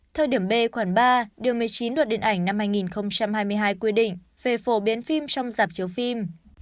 thời điểm b khoảng ba điều một mươi chín luật điện ảnh năm hai nghìn hai mươi hai quy định về phổ biến phim trong dạp chiếu phim